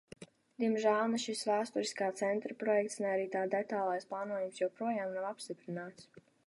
Diemžēl ne šis vēsturiskā centra projekts, ne arī tā detālais plānojums joprojām nav apstiprināts.